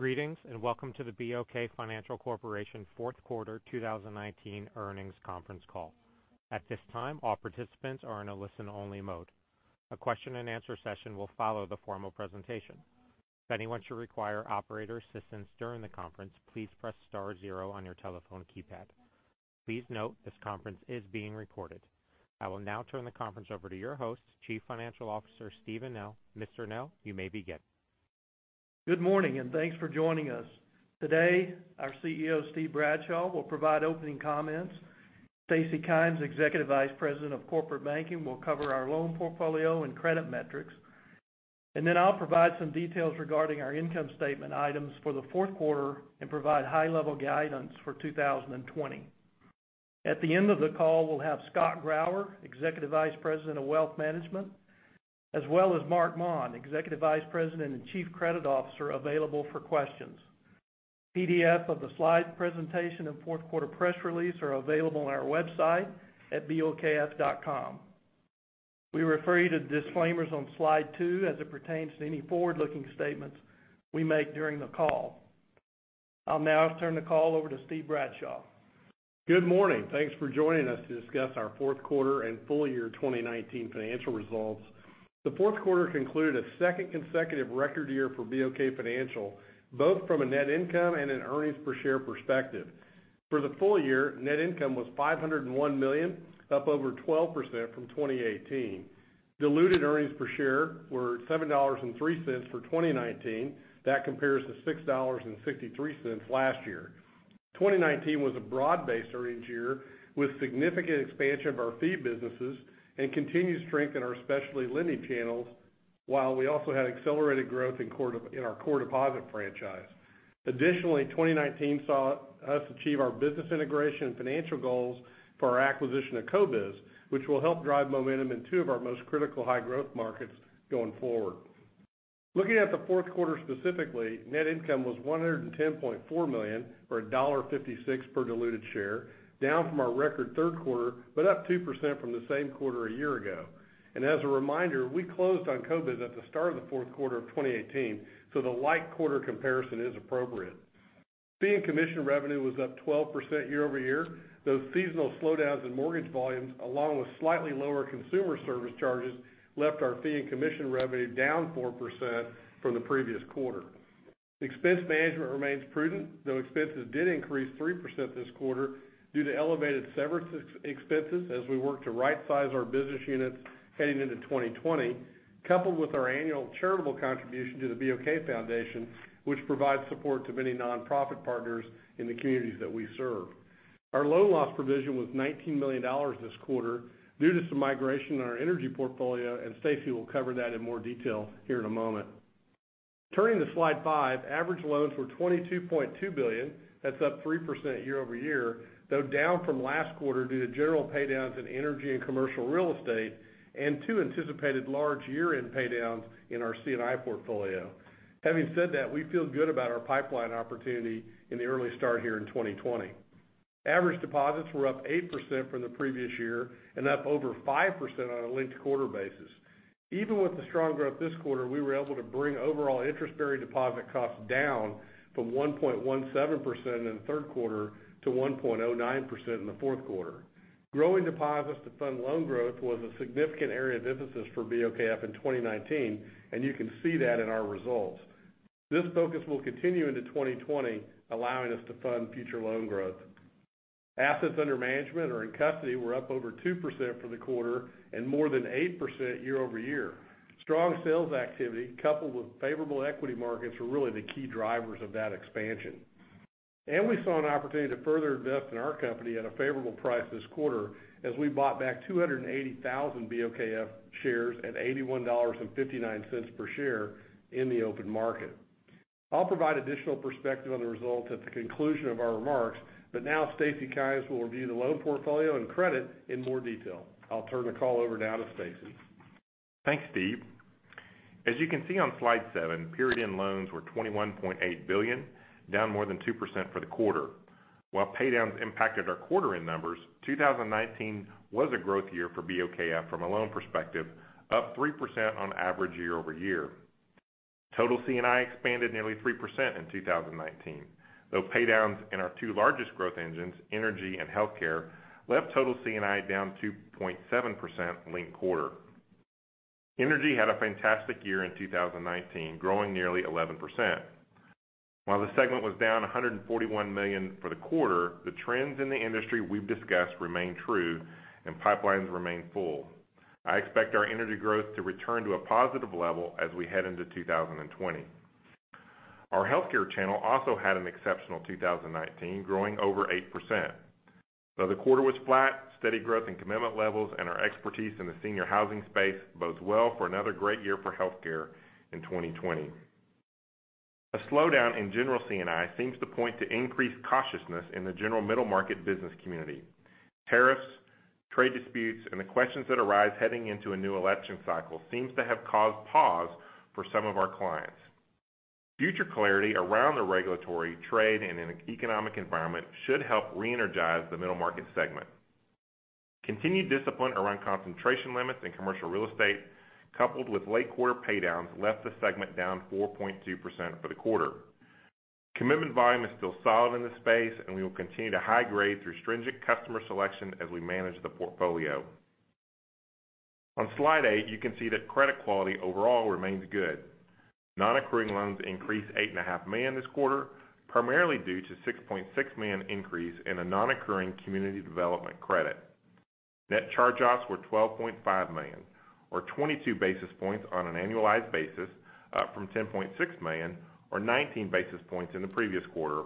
Greetings, and welcome to the BOK Financial Corporation fourth quarter 2019 earnings conference call. At this time, all participants are in a listen-only mode. A question and answer session will follow the formal presentation. If anyone should require operator assistance during the conference, please press star zero on your telephone keypad. Please note, this conference is being recorded. I will now turn the conference over to your host, Chief Financial Officer, Steven Nell. Mr. Nell, you may begin. Good morning, and thanks for joining us. Today, our CEO, Steve Bradshaw, will provide opening comments. Stacy Kymes, Executive Vice President of Corporate Banking, will cover our loan portfolio and credit metrics. Then I'll provide some details regarding our income statement items for the fourth quarter and provide high-level guidance for 2020. At the end of the call, we'll have Scott Grauer, Executive Vice President of Wealth Management, as well as Marc Maun, Executive Vice President and Chief Credit Officer, available for questions. PDF of the slide presentation and fourth quarter press release are available on our website at bokf.com. We refer you to the disclaimers on slide two as it pertains to any forward-looking statements we make during the call. I'll now turn the call over to Steve Bradshaw. Good morning. Thanks for joining us to discuss our fourth quarter and full-year 2019 financial results. The fourth quarter concluded a second consecutive record year for BOK Financial, both from a net income and an earnings per share perspective. For the full-year, net income was $501 million, up over 12% from 2018. Diluted earnings per share were $7.03 for 2019. That compares to $6.63 last year. 2019 was a broad-based earnings year, with significant expansion of our fee businesses and continued strength in our specialty lending channels, while we also had accelerated growth in our core deposit franchise. Additionally, 2019 saw us achieve our business integration and financial goals for our acquisition of CoBiz, which will help drive momentum in two of our most critical high-growth markets going forward. Looking at the fourth quarter specifically, net income was $110.4 million, or $1.56 per diluted share, down from our record third quarter, but up 2% from the same quarter a year ago. As a reminder, we closed on CoBiz at the start of the fourth quarter of 2018, so the like-quarter comparison is appropriate. Fee and commission revenue was up 12% year-over-year, though seasonal slowdowns in mortgage volumes, along with slightly lower consumer service charges, left our fee and commission revenue down 4% from the previous quarter. Expense management remains prudent, though expenses did increase 3% this quarter due to elevated severance expenses as we work to right-size our business units heading into 2020, coupled with our annual charitable contribution Fto the BOK Foundation, which provides support to many non-profit partners in the communities that we serve. Our loan loss provision was $19 million this quarter due to some migration in our energy portfolio. Stacy will cover that in more detail here in a moment. Turning to slide five, average loans were $22.2 billion. That's up 3% year-over-year, though down from last quarter due to general paydowns in energy and commercial real estate, and two anticipated large year-end paydowns in our C&I portfolio. Having said that, we feel good about our pipeline opportunity in the early start here in 2020. Average deposits were up 8% from the previous year and up over 5% on a linked-quarter basis. Even with the strong growth this quarter, we were able to bring overall interest-bearing deposit costs down from 1.17% in the third quarter to 1.09% in the fourth quarter. Growing deposits to fund loan growth was a significant area of emphasis for BOKF in 2019, and you can see that in our results. This focus will continue into 2020, allowing us to fund future loan growth. Assets under management or in custody were up over 2% for the quarter and more than 8% year-over-year. Strong sales activity coupled with favorable equity markets were really the key drivers of that expansion. We saw an opportunity to further invest in our company at a favorable price this quarter as we bought back 280,000 BOKF shares at $81.59 per share in the open market. I'll provide additional perspective on the results at the conclusion of our remarks, but now Stacy Kymes will review the loan portfolio and credit in more detail. I'll turn the call over now to Stacy. Thanks, Steve. As you can see on slide seven, period-end loans were $21.8 billion, down more than 2% for the quarter. While paydowns impacted our quarter-end numbers, 2019 was a growth year for BOKF from a loan perspective, up 3% on average year-over-year. Total C&I expanded nearly 3% in 2019, though paydowns in our two largest growth engines, energy and healthcare, left total C&I down 2.7% linked-quarter. Energy had a fantastic year in 2019, growing nearly 11%. While the segment was down $141 million for the quarter, the trends in the industry we've discussed remain true and pipelines remain full. I expect our energy growth to return to a positive level as we head into 2020. Our healthcare channel also had an exceptional 2019, growing over 8%. Though the quarter was flat, steady growth in commitment levels and our expertise in the senior housing space bodes well for another great year for healthcare in 2020. A slowdown in general C&I seems to point to increased cautiousness in the general middle-market business community. Tariffs, trade disputes, and the questions that arise heading into a new election cycle seems to have caused pause for some of our clients. Future clarity around the regulatory, trade, and economic environment should help reenergize the middle market segment. Continued discipline around concentration limits in commercial real estate, coupled with late quarter paydowns, left the segment down 4.2% for the quarter. Commitment volume is still solid in this space, and we will continue to high grade through stringent customer selection as we manage the portfolio. On slide eight, you can see that credit quality overall remains good. Non-accruing loans increased $8.5 million this quarter, primarily due to $6.6 million increase in a non-accruing community development credit. Net charge-offs were $12.5 million, or 22 basis points on an annualized basis, up from $10.6 million, or 19 basis points in the previous quarter,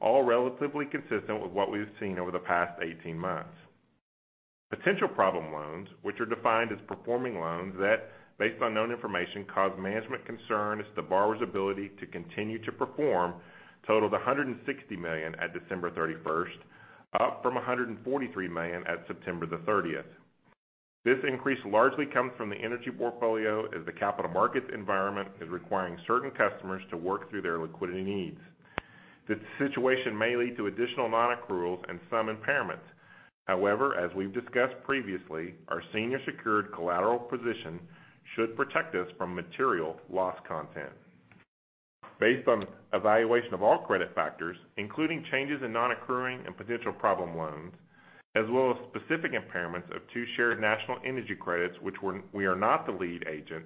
all relatively consistent with what we've seen over the past 18 months. Potential problem loans, which are defined as performing loans that, based on known information, cause management concern as to the borrower's ability to continue to perform, totaled $160 million at December 31st, up from $143 million at September the 30th. This increase largely comes from the energy portfolio as the capital markets environment is requiring certain customers to work through their liquidity needs. This situation may lead to additional non-accruals and some impairments. However, as we've discussed previously, our senior secured collateral position should protect us from material loss content. Based on evaluation of all credit factors, including changes in non-accruing and potential problem loans, as well as specific impairments of two shared national energy credits, which we are not the lead agent,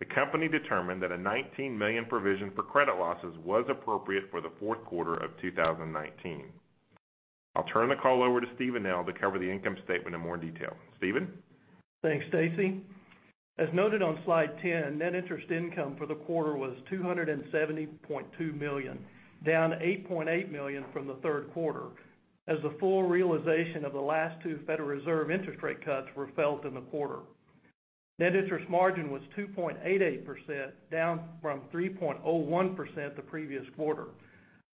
the company determined that a $19 million provision for credit losses was appropriate for the fourth quarter of 2019. I'll turn the call over to Steven now to cover the income statement in more detail. Steven? Thanks, Stacy. As noted on slide 10, net interest income for the quarter was $270.2 million, down $8.8 million from the third quarter, as the full realization of the last two Federal Reserve interest rate cuts were felt in the quarter. Net interest margin was 2.88%, down from 3.01% the previous quarter.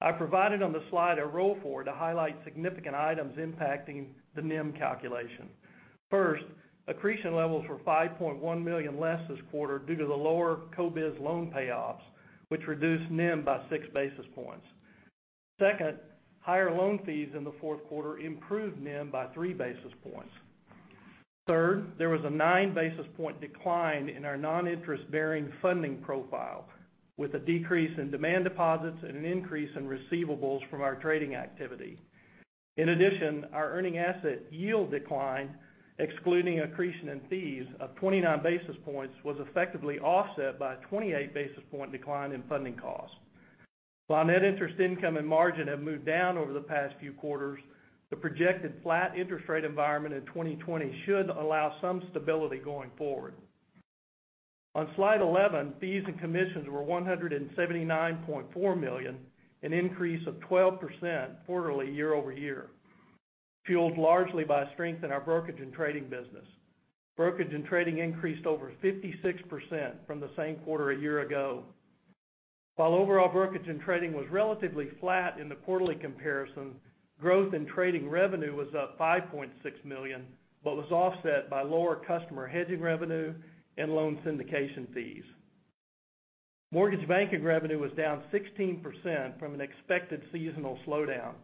I provided on the slide a roll forward to highlight significant items impacting the NIM calculation. First, accretion levels were $5.1 million less this quarter due to the lower CoBiz loan payoffs, which reduced NIM by 6 basis points. Second, higher loan fees in the fourth quarter improved NIM by 3 basis points. Third, there was a 9 basis point decline in our non-interest bearing funding profile, with a decrease in demand deposits and an increase in receivables from our trading activity. In addition, our earning asset yield decline, excluding accretion and fees, of 29 basis points was effectively offset by a 28 basis point decline in funding costs. While net interest income and margin have moved down over the past few quarters, the projected flat interest rate environment in 2020 should allow some stability going forward. On slide 11, fees and commissions were $179.4 million, an increase of 12% quarterly year-over-year, fueled largely by strength in our brokerage and trading business. Brokerage and trading increased over 56% from the same quarter a year ago. While overall brokerage and trading was relatively flat in the quarterly comparison, growth in trading revenue was up $5.6 million, but was offset by lower customer hedging revenue and loan syndication fees. Mortgage banking revenue was down 16% from an expected seasonal slowdown.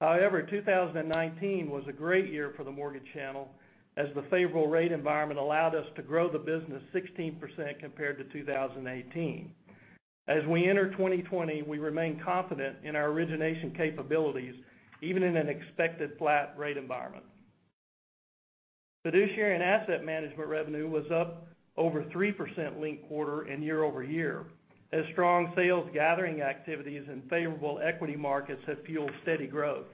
However, 2019 was a great year for the mortgage channel, as the favorable rate environment allowed us to grow the business 16% compared to 2018. As we enter 2020, we remain confident in our origination capabilities, even in an expected flat rate environment. Fiduciary and asset management revenue was up over 3% linked quarter and year-over-year, as strong sales gathering activities and favorable equity markets have fueled steady growth.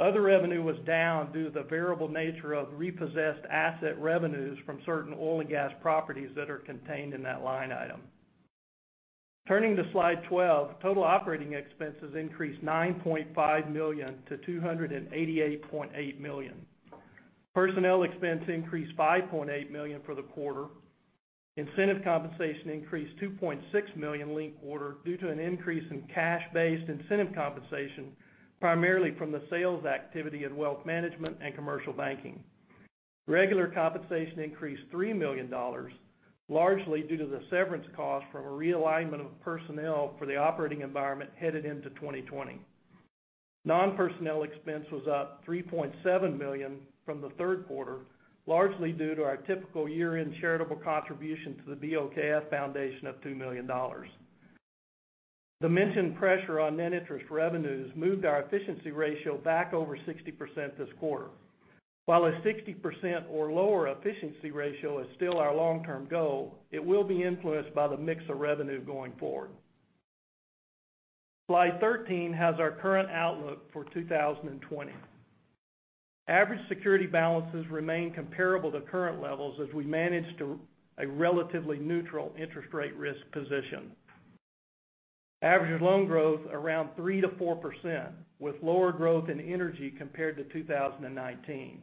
Other revenue was down due to the variable nature of repossessed asset revenues from certain oil and gas properties that are contained in that line item. Turning to slide 12, total operating expenses increased $9.5 million to $288.8 million. Personnel expense increased $5.8 million for the quarter. Incentive compensation increased $2.6 million linked quarter due to an increase in cash-based incentive compensation, primarily from the sales activity in wealth management and commercial banking. Regular compensation increased $3 million, largely due to the severance cost from a realignment of personnel for the operating environment headed into 2020. Non-personnel expense was up $3.7 million from the third quarter, largely due to our typical year-end charitable contribution to the BOKF Foundation of $2 million. The mentioned pressure on net interest revenues moved our efficiency ratio back over 60% this quarter. While a 60% or lower efficiency ratio is still our long-term goal, it will be influenced by the mix of revenue going forward. Slide 13 has our current outlook for 2020. Average security balances remain comparable to current levels as we manage a relatively neutral interest rate risk position. Average loan growth around 3%-4%, with lower growth in energy compared to 2019.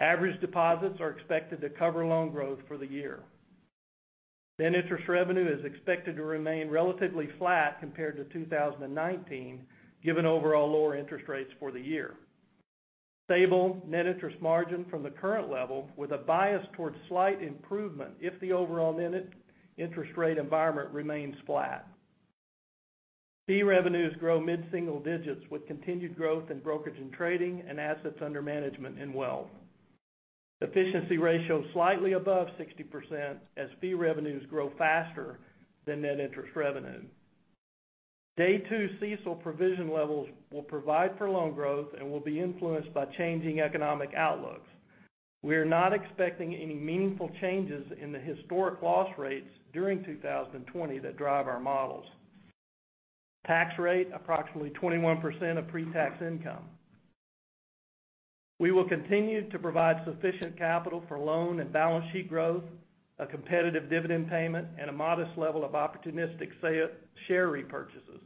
Average deposits are expected to cover loan growth for the year. Net interest revenue is expected to remain relatively flat compared to 2019, given overall lower interest rates for the year. Stable net interest margin from the current level with a bias towards slight improvement if the overall net interest rate environment remains flat. Fee revenues grow mid-single digits with continued growth in brokerage and trading and assets under management and wealth. Efficiency ratio slightly above 60% as fee revenues grow faster than net interest revenue. Day two CECL provision levels will provide for loan growth and will be influenced by changing economic outlooks. We are not expecting any meaningful changes in the historic loss rates during 2020 that drive our models. Tax rate approximately 21% of pre-tax income. We will continue to provide sufficient capital for loan and balance sheet growth, a competitive dividend payment, and a modest level of opportunistic share repurchases.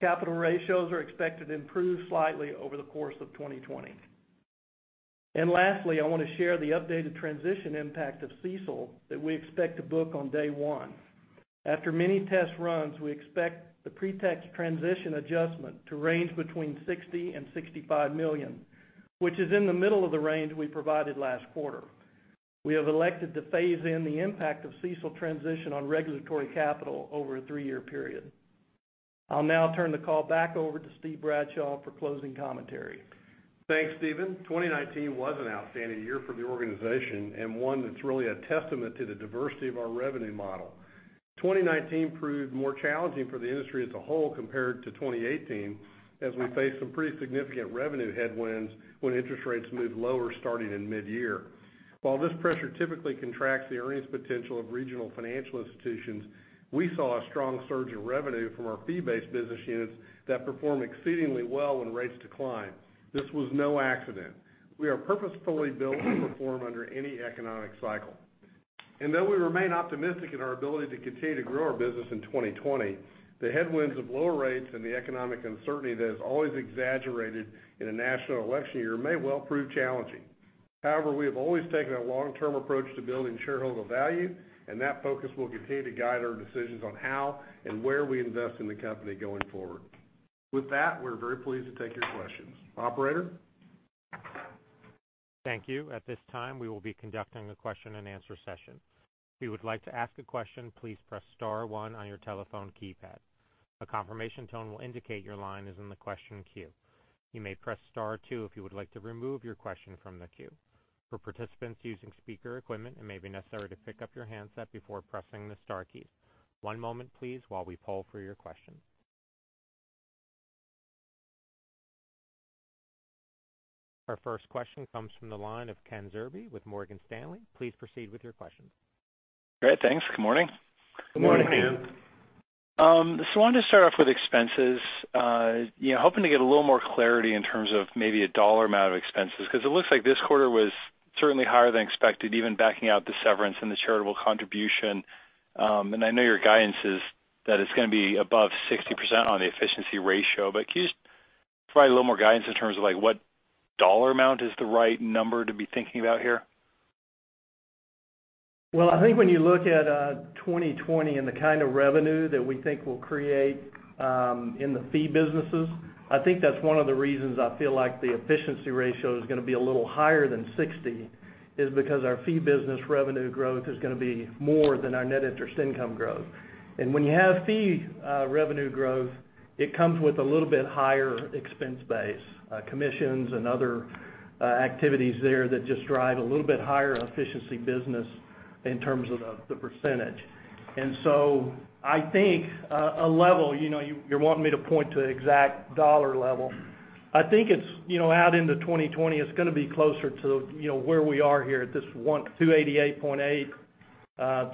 Capital ratios are expected to improve slightly over the course of 2020. Lastly, I want to share the updated transition impact of CECL that we expect to book on day one. After many test runs, we expect the pre-tax transition adjustment to range between $60 million and $65 million, which is in the middle of the range we provided last quarter. We have elected to phase in the impact of CECL transition on regulatory capital over a three-year period. I'll now turn the call back over to Steve Bradshaw for closing commentary. Thanks, Steven. 2019 was an outstanding year for the organization, and one that's really a testament to the diversity of our revenue model. 2019 proved more challenging for the industry as a whole compared to 2018, as we faced some pretty significant revenue headwinds when interest rates moved lower starting in mid-year. While this pressure typically contracts the earnings potential of regional financial institutions, we saw a strong surge in revenue from our fee-based business units that perform exceedingly well when rates decline. This was no accident. We are purposefully built to perform under any economic cycle. Though we remain optimistic in our ability to continue to grow our business in 2020, the headwinds of lower rates and the economic uncertainty that is always exaggerated in a national election year may well prove challenging. However, we have always taken a long-term approach to building shareholder value, and that focus will continue to guide our decisions on how and where we invest in the company going forward. With that, we're very pleased to take your questions. Operator? Thank you. At this time, we will be conducting a question and answer session. If you would like to ask a question, please press star one on your telephone keypad. A confirmation tone will indicate your line is in the question queue. You may press star two if you would like to remove your question from the queue. For participants using speaker equipment, it may be necessary to pick up your handset before pressing the star keys. One moment please while we poll for your questions. Our first question comes from the line of Ken Zerbe with Morgan Stanley. Please proceed with your questions. Great, thanks. Good morning. Good morning, Ken. Good morning. I wanted to start off with expenses. Hoping to get a little more clarity in terms of maybe a dollar amount of expenses, because it looks like this quarter was certainly higher than expected, even backing out the severance and the charitable contribution. I know your guidance is that it's going to be above 60% on the efficiency ratio, can you just provide a little more guidance in terms of what dollar amount is the right number to be thinking about here? I think when you look at 2020 and the kind of revenue that we think we'll create in the fee businesses, I think that's one of the reasons I feel like the efficiency ratio is going to be a little higher than 60%, is because our fee business revenue growth is going to be more than our net interest income growth. When you have fee revenue growth, it comes with a little bit higher expense base, commissions and other activities there that just drive a little bit higher efficiency business in terms of the percentage. I think a level, you're wanting me to point to an exact dollar level. I think out into 2020, it's going to be closer to where we are here at this $288.8 million.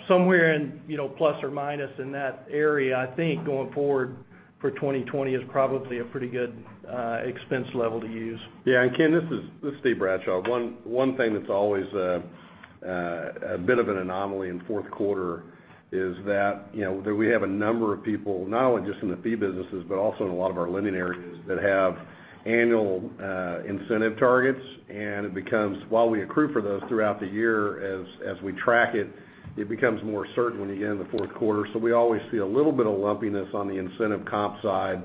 Somewhere plus or minus in that area, I think going forward for 2020 is probably a pretty good expense level to use. Yeah. Ken, this is Steve Bradshaw. One thing that's always a bit of an anomaly in fourth quarter is that we have a number of people, not only just in the fee businesses, but also in a lot of our lending areas that have annual incentive targets, and while we accrue for those throughout the year as we track it becomes more certain when you get into fourth quarter. We always see a little bit of lumpiness on the incentive comp side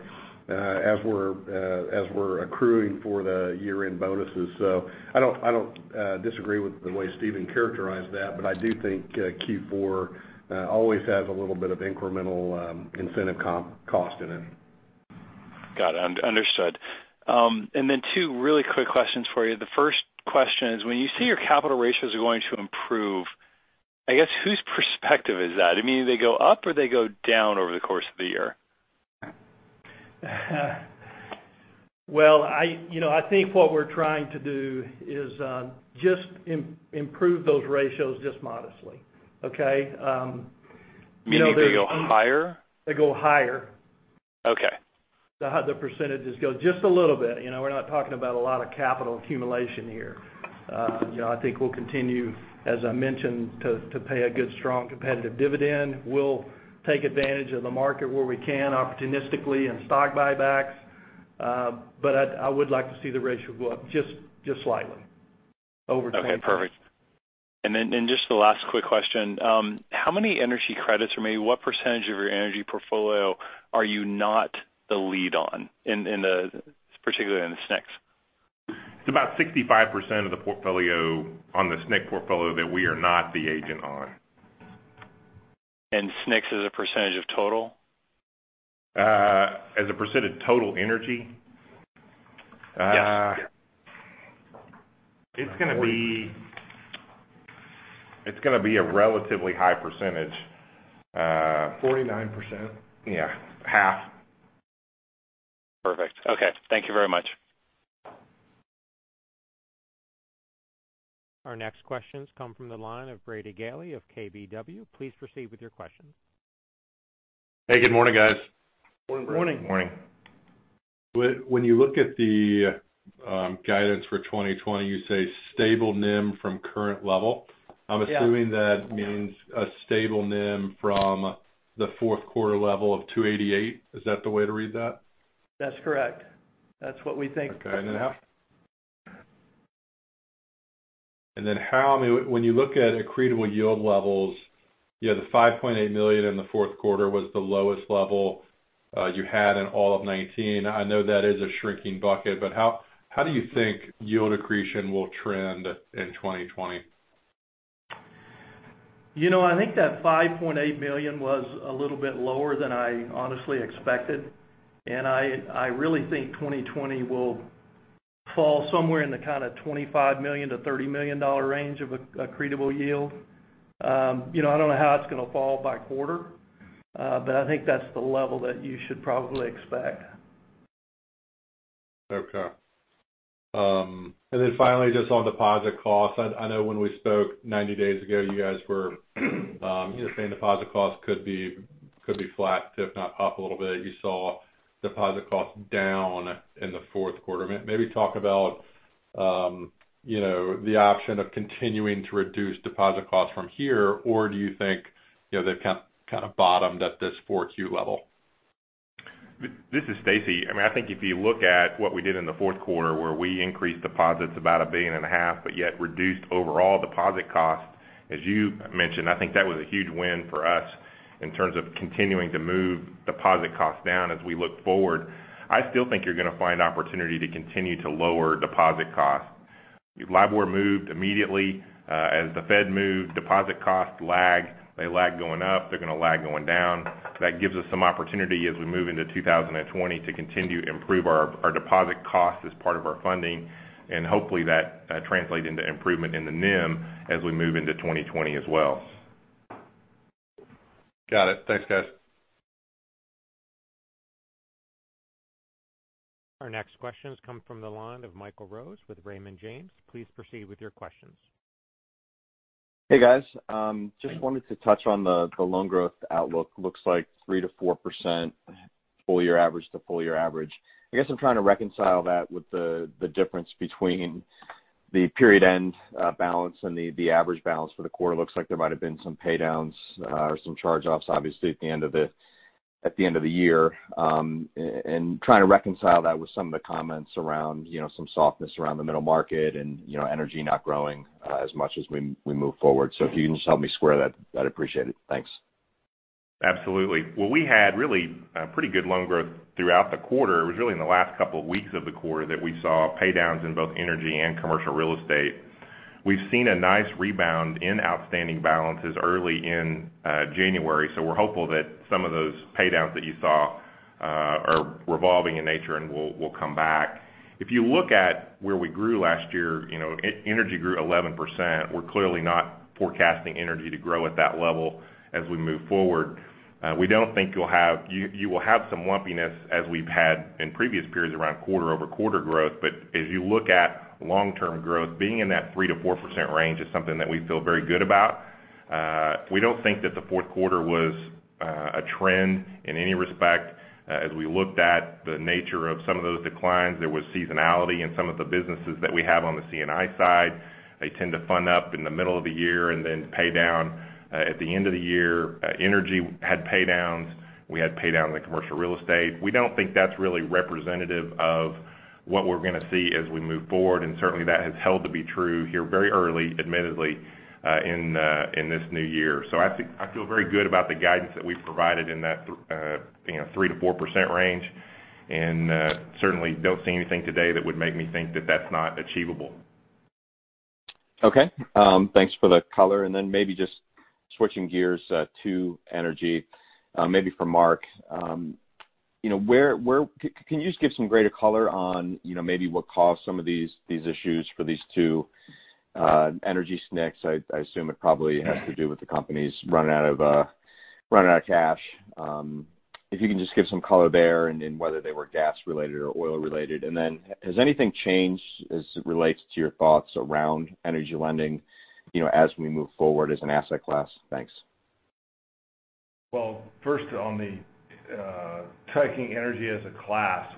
as we're accruing for the year-end bonuses. I don't disagree with the way Steven characterized that, but I do think Q4 always has a little bit of incremental incentive comp cost in it. Got it. Understood. Two really quick questions for you. The first question is: when you say your capital ratios are going to improve, I guess whose perspective is that? You mean they go up or they go down over the course of the year? Well, I think what we're trying to do is just improve those ratios just modestly. Okay? You mean they go higher? They go higher. Okay. The percentages go just a little bit. We're not talking about a lot of capital accumulation here. I think we'll continue, as I mentioned, to pay a good, strong competitive dividend. We'll take advantage of the market where we can opportunistically in stock buybacks. I would like to see the ratio go up just slightly over time. Okay, perfect. Just the last quick question. How many energy credits, or maybe what percentage of your energy portfolio are you not the lead on, particularly in the SNCs? It's about 65% of the portfolio on the SNC portfolio that we are not the agent on. SNCs as a percentage of total? As a percentage of total energy? Yes. It's going to be a relatively high percentage. 49%. Yeah, half. Perfect. Okay. Thank you very much. Our next questions come from the line of Brady Gailey of KBW. Please proceed with your questions. Hey, good morning, guys. Morning. Morning. When you look at the guidance for 2020, you say stable NIM from current level. Yeah. I'm assuming that means a stable NIM from the fourth quarter level of $288 million. Is that the way to read that? That's correct. That's what we think. Okay. When you look at accretable yield levels, you had the $5.8 million in the fourth quarter was the lowest level you had in all of 2019. I know that is a shrinking bucket, but how do you think yield accretion will trend in 2020? I think that $5.8 million was a little bit lower than I honestly expected. I really think 2020 will fall somewhere in the kind of $25 million-$30 million range of accretable yield. I don't know how it's going to fall by quarter. I think that's the level that you should probably expect. Okay. Then finally, just on deposit costs. I know when we spoke 90 days ago, you guys were saying deposit costs could be flat, if not up a little bit. You saw deposit costs down in the fourth quarter. Maybe talk about the option of continuing to reduce deposit costs from here, or do you think they've kind of bottomed at this 4Q level? This is Stacy. I think if you look at what we did in the fourth quarter, where we increased deposits about $1.5 billion, but yet reduced overall deposit costs, as you mentioned, I think that was a huge win for us in terms of continuing to move deposit costs down as we look forward. I still think you're going to find opportunity to continue to lower deposit costs. LIBOR moved immediately. As the Fed moved, deposit costs lag. They lag going up. They're going to lag going down. That gives us some opportunity as we move into 2020 to continue to improve our deposit costs as part of our funding, and hopefully that translate into improvement in the NIM as we move into 2020 as well. Got it. Thanks, guys. Our next questions come from the line of Michael Rose with Raymond James. Please proceed with your questions. Hey, guys. Just wanted to touch on the loan growth outlook. Looks like 3%-4% full-year average to full-year average. I guess I'm trying to reconcile that with the difference between the period end balance and the average balance for the quarter. Looks like there might have been some paydowns or some charge-offs, obviously, at the end of the year. Trying to reconcile that with some of the comments around some softness around the middle market and energy not growing as much as we move forward. If you can just help me square that, I'd appreciate it. Thanks. Absolutely. Well, we had really pretty good loan growth throughout the quarter. It was really in the last couple of weeks of the quarter that we saw pay downs in both energy and commercial real estate. We've seen a nice rebound in outstanding balances early in January, so we're hopeful that some of those pay downs that you saw are revolving in nature and will come back. If you look at where we grew last year, energy grew 11%. We're clearly not forecasting energy to grow at that level as we move forward. You will have some lumpiness as we've had in previous periods around quarter-over-quarter growth. But as you look at long-term growth, being in that 3%-4% range is something that we feel very good about. We don't think that the fourth quarter was a trend in any respect. As we looked at the nature of some of those declines, there was seasonality in some of the businesses that we have on the C&I side. They tend to fund up in the middle of the year and then pay down at the end of the year. Energy had pay downs. We had pay downs in the commercial real estate. We don't think that's really representative of what we're going to see as we move forward, and certainly that has held to be true here very early, admittedly, in this new year. I feel very good about the guidance that we've provided in that 3%-4% range, and certainly don't see anything today that would make me think that that's not achievable. Okay. Thanks for the color, and then maybe just switching gears to energy. Maybe for Marc. Can you just give some greater color on maybe what caused some of these issues for these two energy SNCs? I assume it probably has to do with the companies running out of cash. If you can just give some color there and whether they were gas related or oil related. Has anything changed as it relates to your thoughts around energy lending as we move forward as an asset class? Thanks. Well, first on the taking energy as a class.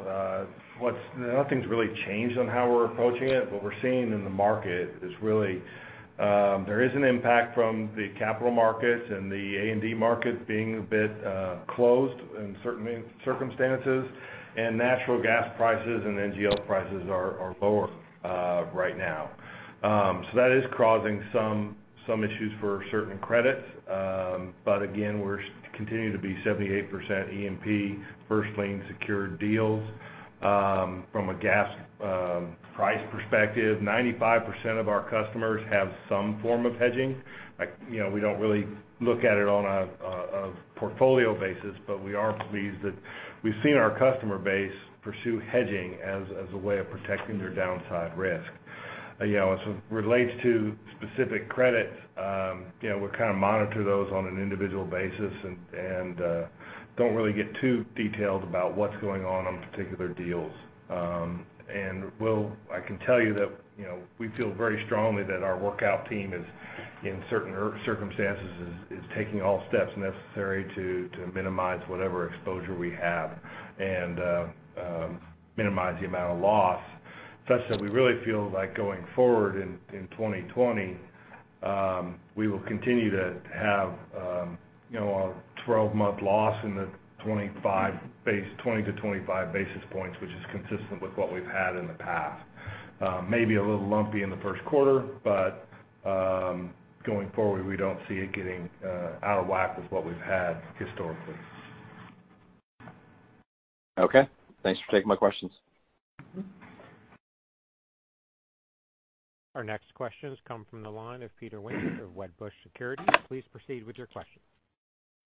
Nothing's really changed on how we're approaching it. What we're seeing in the market is really there is an impact from the capital markets and the A&D market being a bit closed in certain circumstances, and natural gas prices and NGL prices are lower right now. That is causing some issues for certain credits. Again, we continue to be 78% EMP first lien secured deals. From a gas price perspective, 95% of our customers have some form of hedging. We don't really look at it on a portfolio basis, but we are pleased that we've seen our customer base pursue hedging as a way of protecting their downside risk. As it relates to specific credits, we kind of monitor those on an individual basis and don't really get too detailed about what's going on particular deals. I can tell you that we feel very strongly that our workout team is, in certain circumstances, taking all steps necessary to minimize whatever exposure we have and minimize the amount of loss, such that we really feel like going forward in 2020, we will continue to have a 12-month loss in the 20-25 basis points, which is consistent with what we've had in the past. Maybe a little lumpy in the first quarter, going forward, we don't see it getting out of whack with what we've had historically. Okay. Thanks for taking my questions. Our next questions come from the line of Peter Winter of Wedbush Securities. Please proceed with your question.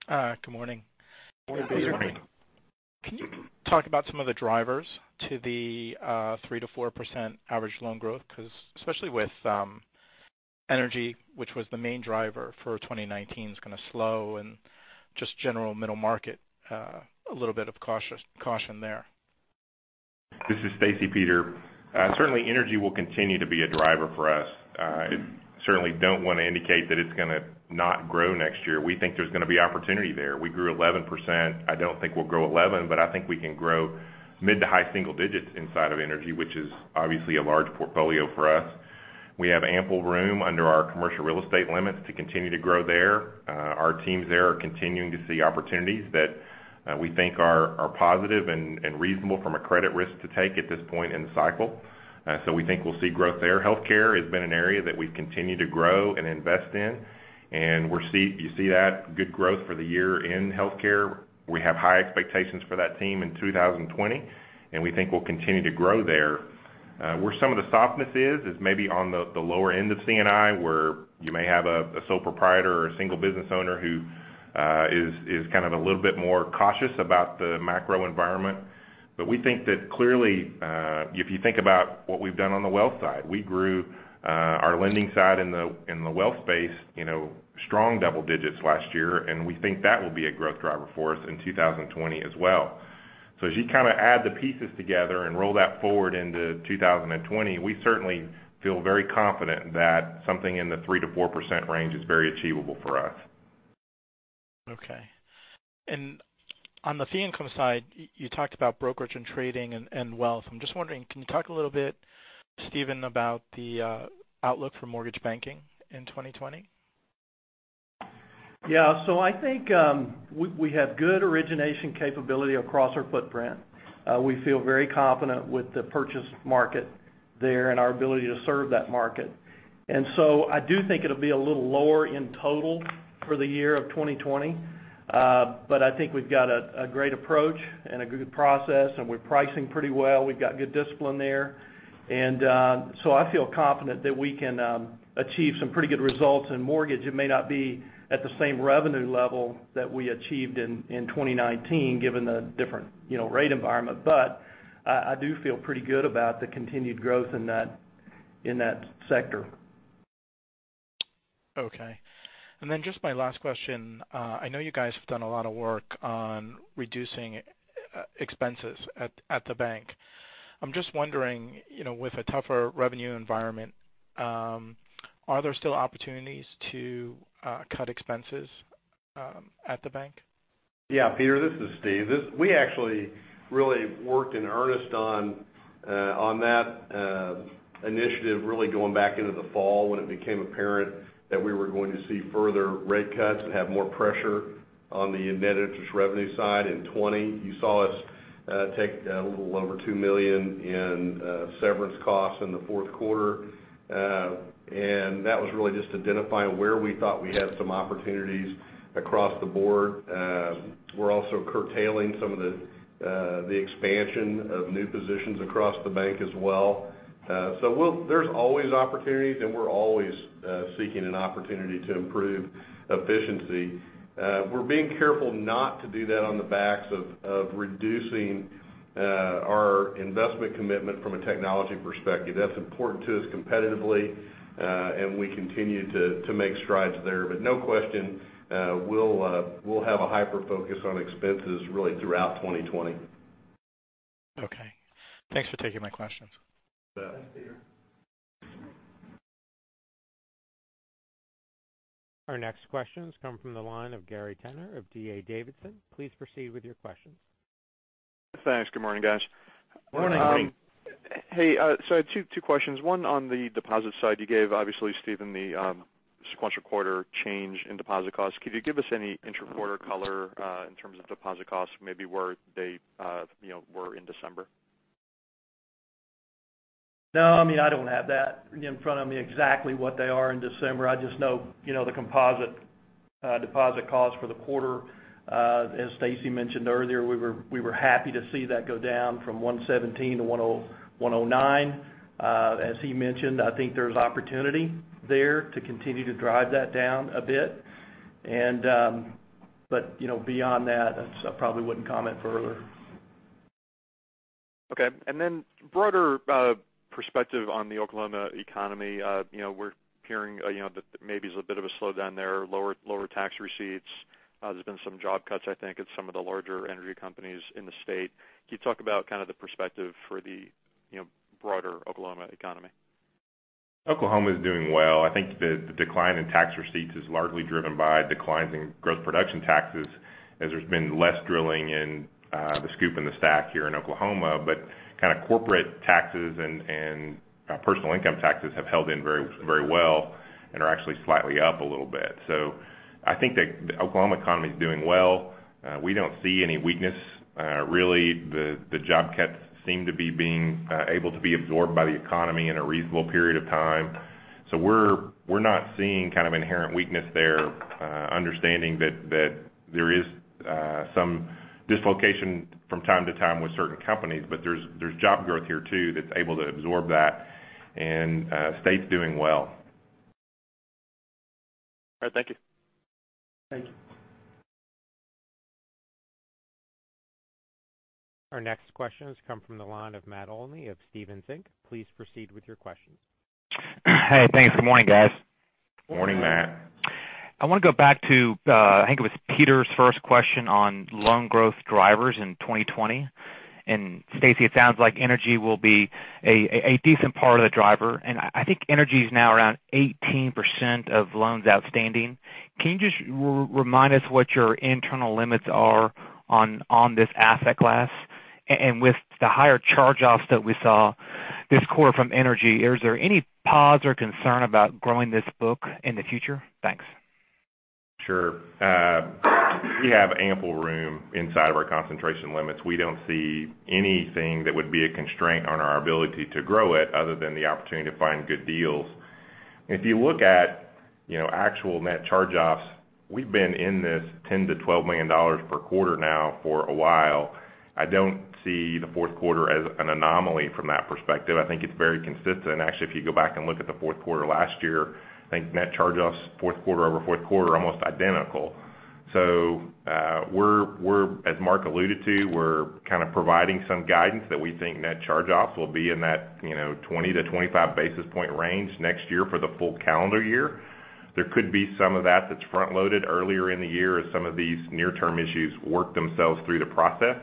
Good morning. Good morning. Good morning. Can you talk about some of the drivers to the 3% to 4% average loan growth? Especially with energy, which was the main driver for 2019, is going to slow and just general middle market, a little bit of caution there. This is Stacy, Peter. Certainly, energy will continue to be a driver for us. I certainly don't want to indicate that it's going to not grow next year. We think there's going to be opportunity there. We grew 11%. I don't think we'll grow 11%, I think we can grow mid to high single digits inside of energy, which is obviously a large portfolio for us. We have ample room under our commercial real estate limits to continue to grow there. Our teams there are continuing to see opportunities that we think are positive and reasonable from a credit risk to take at this point in the cycle. We think we'll see growth there. Healthcare has been an area that we've continued to grow and invest in, you see that good growth for the year in healthcare. We have high expectations for that team in 2020, and we think we'll continue to grow there. Where some of the softness is maybe on the lower end of C&I, where you may have a sole proprietor or a single business owner who is kind of a little bit more cautious about the macro environment. We think that clearly, if you think about what we've done on the wealth side, we grew our lending side in the wealth space strong double digits last year, and we think that will be a growth driver for us in 2020 as well. As you kind of add the pieces together and roll that forward into 2020, we certainly feel very confident that something in the 3%-4% range is very achievable for us. Okay. On the fee income side, you talked about brokerage and trading and wealth. I'm just wondering, can you talk a little bit, Steven, about the outlook for mortgage banking in 2020? Yeah. I think we have good origination capability across our footprint. We feel very confident with the purchase market there and our ability to serve that market. I do think it'll be a little lower in total for the year of 2020. I think we've got a great approach and a good process, and we're pricing pretty well. We've got good discipline there. I feel confident that we can achieve some pretty good results in mortgage. It may not be at the same revenue level that we achieved in 2019, given the different rate environment. I do feel pretty good about the continued growth in that sector. Okay. Just my last question. I know you guys have done a lot of work on reducing expenses at the bank. I'm just wondering, with a tougher revenue environment, are there still opportunities to cut expenses at the bank? Yeah, Peter, this is Steve. We actually really worked in earnest on that initiative, really going back into the fall when it became apparent that we were going to see further rate cuts and have more pressure on the net interest revenue side in 2020. You saw us take a little over $2 million in severance costs in the Q4. That was really just identifying where we thought we had some opportunities across the board. We're also curtailing some of the expansion of new positions across the bank as well. There's always opportunities, and we're always seeking an opportunity to improve efficiency. We're being careful not to do that on the backs of reducing our investment commitment from a technology perspective. That's important to us competitively, and we continue to make strides there. No question, we'll have a hyper-focus on expenses really throughout 2020. Okay. Thanks for taking my questions. You bet. Thanks, Peter. Our next questions come from the line of Gary Tenner of D.A. Davidson. Please proceed with your questions. Thanks. Good morning, guys. Morning. Morning. Hey, I had two questions. One on the deposit side. You gave, obviously, Steven, the sequential quarter change in deposit costs. Could you give us any intra-quarter color in terms of deposit costs, maybe where they were in December? No, I don't have that in front of me, exactly what they are in December. I just know the composite deposit cost for the quarter. As Stacy mentioned earlier, we were happy to see that go down from 117 to 109. As he mentioned, I think there's opportunity there to continue to drive that down a bit. But beyond that, I probably wouldn't comment further. Okay. Broader perspective on the Oklahoma economy. We're hearing that maybe there's a bit of a slowdown there, lower tax receipts. There's been some job cuts, I think, at some of the larger energy companies in the state. Can you talk about the perspective for the broader Oklahoma economy? Oklahoma is doing well. I think the decline in tax receipts is largely driven by declines in growth production taxes as there's been less drilling in the SCOOP and the STACK here in Oklahoma. Corporate taxes and personal income taxes have held in very well and are actually slightly up a little bit. I think the Oklahoma economy is doing well. We don't see any weakness. Really, the job cuts seem to be being able to be absorbed by the economy in a reasonable period of time. We're not seeing inherent weakness there, understanding that there is some dislocation from time to time with certain companies. There's job growth here too that's able to absorb that, and the state's doing well. All right, thank you. Thank you. Our next questions come from the line of Matt Olney of Stephens Inc.. Please proceed with your questions. Hey, thanks. Good morning, guys. Morning, Matt. I want to go back to, I think it was Peter's first question on loan growth drivers in 2020. Stacy, it sounds like energy will be a decent part of the driver, and I think energy is now around 18% of loans outstanding. Can you just remind us what your internal limits are on this asset class? With the higher charge-offs that we saw this quarter from energy, is there any pause or concern about growing this book in the future? Thanks. Sure. We have ample room inside of our concentration limits. We don't see anything that would be a constraint on our ability to grow it other than the opportunity to find good deals. If you look at actual net charge-offs, we've been in this $10 million-$12 million per quarter now for a while. I don't see the fourth quarter as an anomaly from that perspective. I think it's very consistent. Actually, if you go back and look at the fourth quarter last year, I think net charge-offs fourth quarter-over-fourth quarter are almost identical. As Marc alluded to, we're providing some guidance that we think net charge-offs will be in that 20-25 basis point range next year for the full calendar year. There could be some of that that's front-loaded earlier in the year as some of these near-term issues work themselves through the process.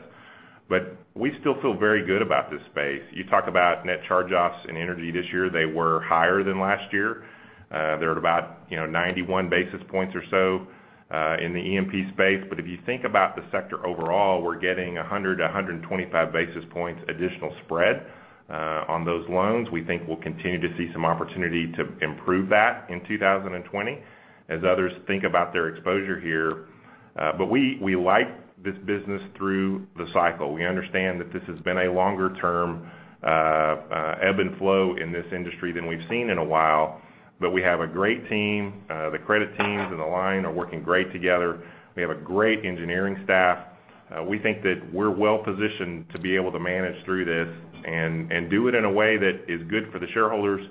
We still feel very good about this space. You talk about net charge-offs in energy this year. They were higher than last year. They're at about 91 basis points or so in the EMP space. If you think about the sector overall, we're getting 100-125 basis points additional spread on those loans. We think we'll continue to see some opportunity to improve that in 2020 as others think about their exposure here. We like this business through the cycle. We understand that this has been a longer-term ebb and flow in this industry than we've seen in a while, but we have a great team. The credit teams and the line are working great together. We have a great engineering staff. We think that we're well-positioned to be able to manage through this and do it in a way that is good for the shareholders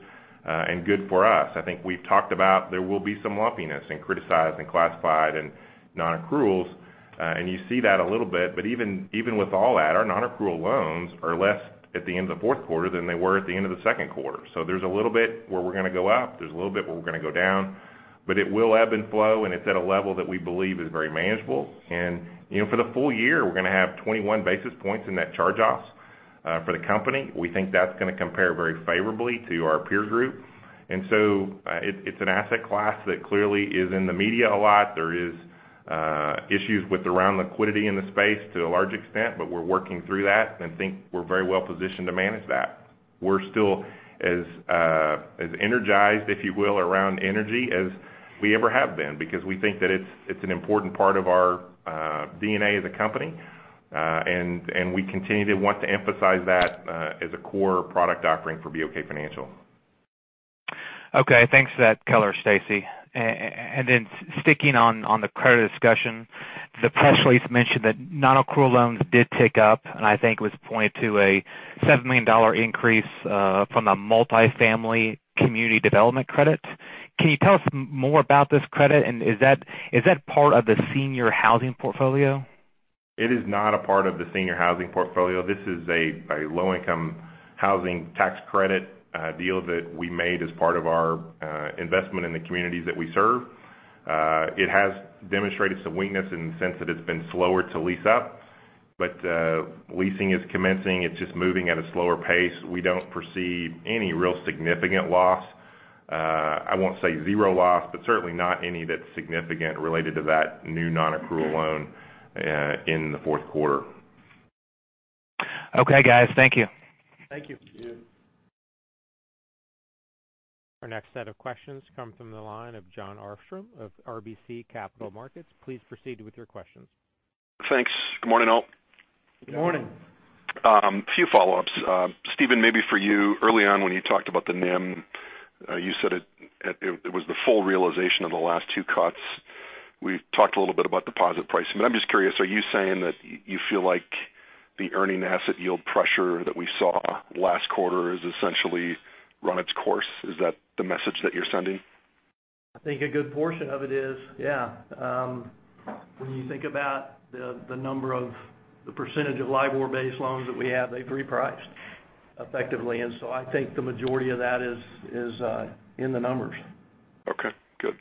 and good for us. I think we've talked about there will be some lumpiness in criticized, in classified, and non-accruals, and you see that a little bit. Even with all that, our non-accrual loans are less at the end of the fourth quarter than they were at the end of the second quarter. There's a little bit where we're going to go up, there's a little bit where we're going to go down, but it will ebb and flow, and it's at a level that we believe is very manageable. For the full-year, we're going to have 21 basis points in net charge-offs for the company. We think that's going to compare very favorably to our peer group. It's an asset class that clearly is in the media a lot. There is issues around liquidity in the space to a large extent, but we're working through that and think we're very well-positioned to manage that. We're still as energized, if you will, around energy as we ever have been because we think that it's an important part of our DNA as a company. We continue to want to emphasize that as a core product offering for BOK Financial. Okay. Thanks for that color, Stacy. Then sticking on the credit discussion, the press release mentioned that non-accrual loans did tick up and I think it was pointed to a $7 million increase from the multifamily community development credit. Can you tell us more about this credit? Is that part of the senior housing portfolio? It is not a part of the senior housing portfolio. This is a low-income housing tax credit deal that we made as part of our investment in the communities that we serve. It has demonstrated some weakness in the sense that it's been slower to lease up. Leasing is commencing. It's just moving at a slower pace. We don't foresee any real significant loss. I won't say zero loss, but certainly not any that's significant related to that new non-accrual loan in the fourth quarter. Okay, guys. Thank you. Thank you. Thank you. Our next set of questions come from the line of Jon Arfstrom of RBC Capital Markets. Please proceed with your questions. Thanks. Good morning, all. Good morning. A few follow-ups. Steven, maybe for you. Early on when you talked about the NIM, you said it was the full realization of the last two cuts. We've talked a little bit about deposit pricing, but I'm just curious, are you saying that you feel like the earning asset yield pressure that we saw last quarter has essentially run its course? Is that the message that you're sending? I think a good portion of it is, yeah. When you think about the percentage of LIBOR-based loans that we have, they've repriced effectively. I think the majority of that is in the numbers. Okay, good.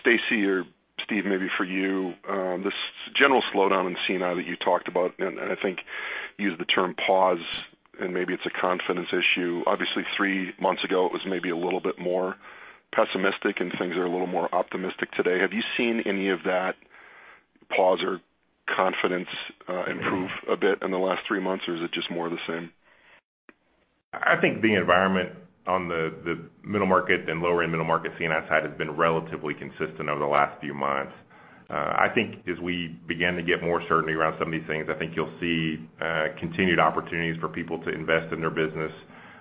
Stacy or Steve, maybe for you, this general slowdown in C&I that you talked about, and I think you used the term pause, and maybe it's a confidence issue. Obviously, three months ago, it was maybe a little bit more pessimistic and things are a little more optimistic today. Have you seen any of that pause or confidence improve a bit in the last three months, or is it just more of the same? I think the environment on the middle market and lower-end middle market C&I side has been relatively consistent over the last few months. I think as we begin to get more certainty around some of these things, I think you'll see continued opportunities for people to invest in their business,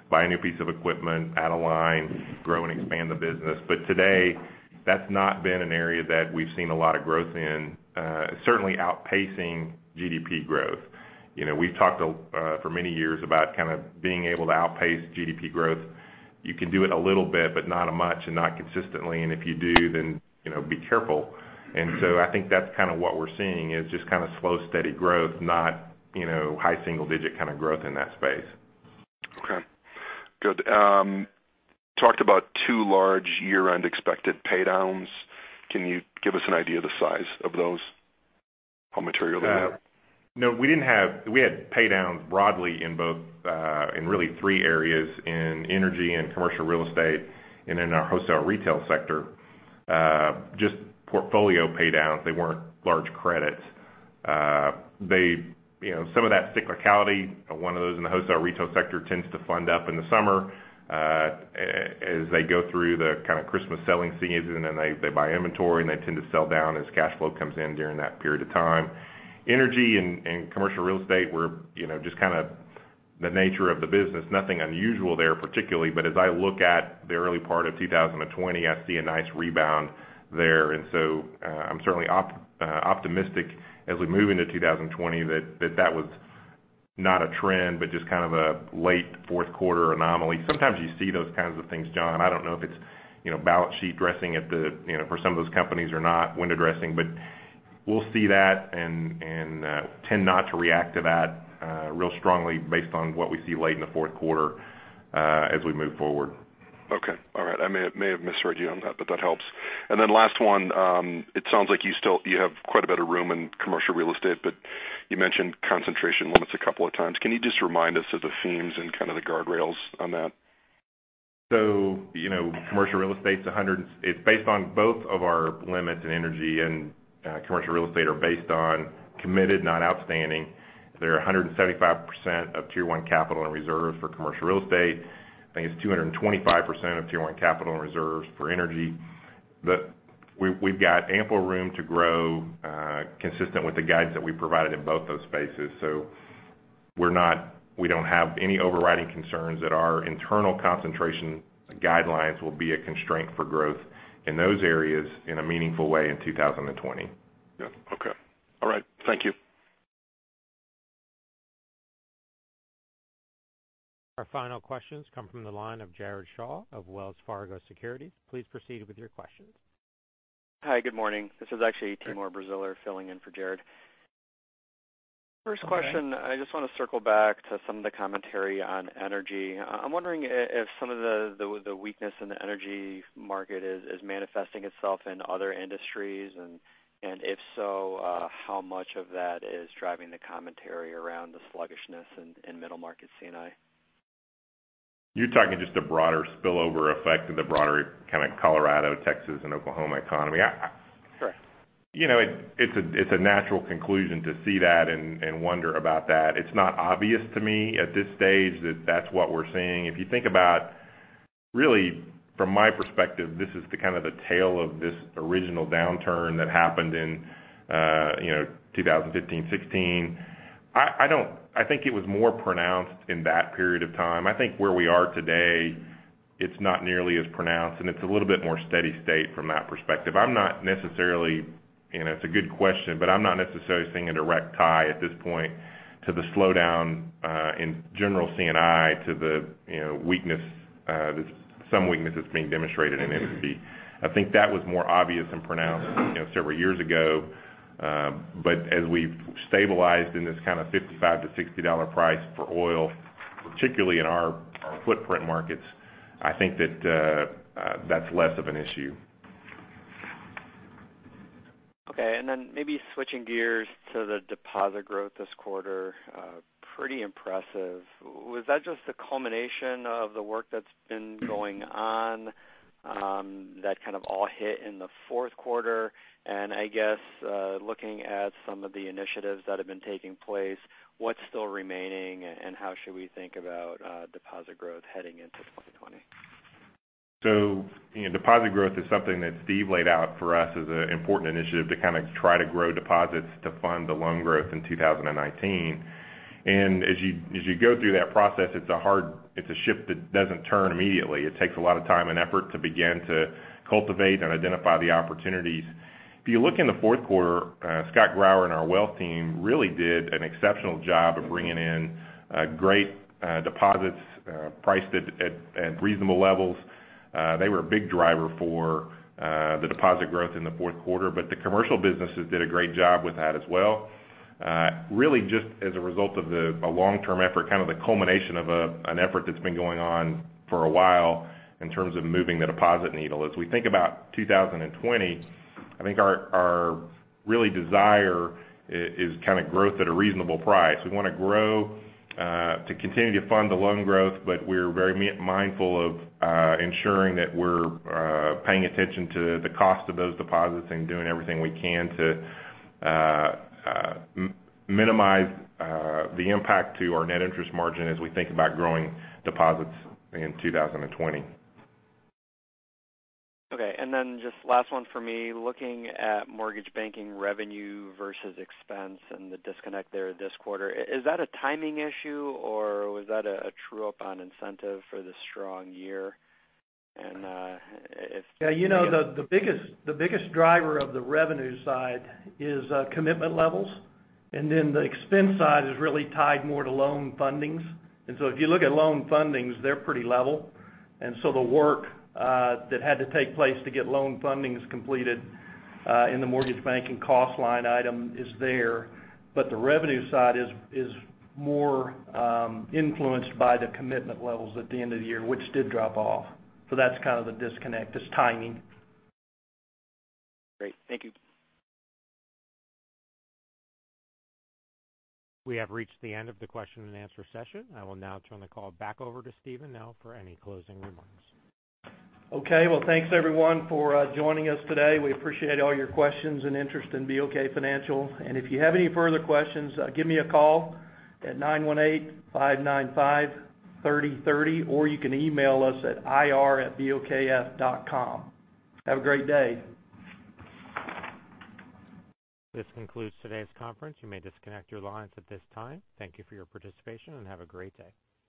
buy a new piece of equipment, add a line, grow and expand the business. Today, that's not been an area that we've seen a lot of growth in certainly outpacing GDP growth. We've talked for many years about kind of being able to outpace GDP growth. You can do it a little bit, but not a much and not consistently. If you do, then be careful. I think that's kind of what we're seeing is just kind of slow, steady growth, not high single-digit kind of growth in that space. Okay, good. Talked about two large year-end expected paydowns. Can you give us an idea of the size of those? How material they were? No, we had paydowns broadly in really three areas: in energy, in commercial real estate, and in our wholesale retail sector. Just portfolio paydowns. They weren't large credits. Some of that cyclicality of one of those in the wholesale retail sector tends to fund up in the summer as they go through the kind of Christmas selling season, and they buy inventory and they tend to sell down as cash flow comes in during that period of time. Energy and commercial real estate were just kind of the nature of the business. Nothing unusual there particularly. As I look at the early part of 2020, I see a nice rebound there. I'm certainly optimistic as we move into 2020 that that was not a trend, but just kind of a late fourth quarter anomaly. Sometimes you see those kinds of things, Jon. I don't know if it's balance sheet dressing for some of those companies or not, window dressing. We'll see that and tend not to react to that real strongly based on what we see late in the fourth quarter as we move forward. Okay. All right. I may have misheard you on that, but that helps. Last one, it sounds like you have quite a bit of room in commercial real estate, but you mentioned concentration limits a couple of times. Can you just remind us of the themes and kind of the guardrails on that? Based on both of our limits in energy and commercial real estate are based on committed, not outstanding. They're 175% of Tier 1 capital and reserves for commercial real estate. I think it's 225% of Tier 1 capital and reserves for energy. We've got ample room to grow consistent with the guidance that we provided in both those spaces. We don't have any overriding concerns that our internal concentration guidelines will be a constraint for growth in those areas in a meaningful way in 2020. Yeah. Okay. All right. Thank you. Our final questions come from the line of Jared Shaw of Wells Fargo Securities. Please proceed with your questions. Hi, good morning. This is actually Timur Braziler filling in for Jared. First question, I just want to circle back to some of the commentary on energy. I'm wondering if some of the weakness in the energy market is manifesting itself in other industries, and if so, how much of that is driving the commentary around the sluggishness in middle market C&I? You're talking just the broader spillover effect of the broader kind of Colorado, Texas, and Oklahoma economy. Correct. It's a natural conclusion to see that and wonder about that. It's not obvious to me at this stage that that's what we're seeing. If you think about, really from my perspective, this is the kind of the tale of this original downturn that happened in 2015-2016. I think it was more pronounced in that period of time. I think where we are today, it's not nearly as pronounced, and it's a little bit more steady state from that perspective. It's a good question, but I'm not necessarily seeing a direct tie at this point to the slowdown in general C&I to some weakness that's being demonstrated in energy. I think that was more obvious and pronounced several years ago. As we've stabilized in this kind of $55-$60 price for oil, particularly in our footprint markets, I think that that's less of an issue. Okay, maybe switching gears to the deposit growth this quarter. Pretty impressive. Was that just a culmination of the work that's been going on that kind of all hit in the fourth quarter? I guess, looking at some of the initiatives that have been taking place, what's still remaining and how should we think about deposit growth heading into 2020? Deposit growth is something that Steve laid out for us as an important initiative to kind of try to grow deposits to fund the loan growth in 2019. As you go through that process, it's a ship that doesn't turn immediately. It takes a lot of time and effort to begin to cultivate and identify the opportunities. If you look in the fourth quarter, Scott Grauer and our wealth team really did an exceptional job of bringing in great deposits priced at reasonable levels. They were a big driver for the deposit growth in the fourth quarter, but the commercial businesses did a great job with that as well. Really just as a result of a long-term effort, kind of the culmination of an effort that's been going on for a while in terms of moving the deposit needle. As we think about 2020, I think our really desire is kind of growth at a reasonable price. We want to grow to continue to fund the loan growth, but we're very mindful of ensuring that we're paying attention to the cost of those deposits and doing everything we can to minimize the impact to our net interest margin as we think about growing deposits in 2020. Okay, just last one for me. Looking at mortgage banking revenue versus expense and the disconnect there this quarter, is that a timing issue, or was that a true up on incentive for the strong year? Yeah, the biggest driver of the revenue side is commitment levels, and then the expense side is really tied more to loan fundings. If you look at loan fundings, they're pretty level. The work that had to take place to get loan fundings completed in the mortgage banking cost line item is there. The revenue side is more influenced by the commitment levels at the end of the year, which did drop off. That's kind of the disconnect, just timing. Great. Thank you. We have reached the end of the question and answer session. I will now turn the call back over to Steven Nell for any closing remarks. Okay. Well, thanks everyone for joining us today. We appreciate all your questions and interest in BOK Financial. If you have any further questions, give me a call at 918-595-3030, or you can email us at ir@bokf.com. Have a great day. This concludes today's conference. You may disconnect your lines at this time. Thank you for your participation, and have a great day.